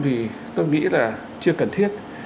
thì tôi nghĩ là chưa cần thiết